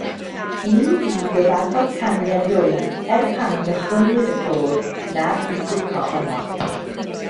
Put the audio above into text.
Ni bu gyfarfod canu erioed er pan gychwynnwyd y côr na bu Dico yno.